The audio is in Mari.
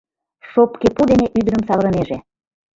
Шопке пу дене ӱдырым савырынеже!